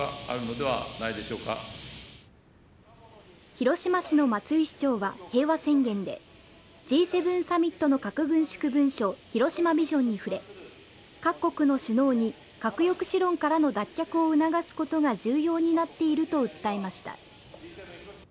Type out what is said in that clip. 広島市の松井市長は平和宣言でＧ７サミットの核軍縮文書広島ビジョンに触れ各国の首脳に核抑止論からの脱却を促すことが重要になっていると訴えました。